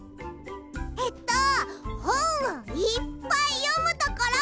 えっとほんをいっぱいよむところ！